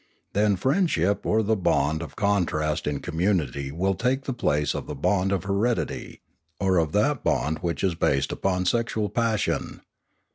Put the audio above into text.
Then friendship or the bond of contrast in community will take the place of the bond of heredity, or of that bond which is based upon sexual passion.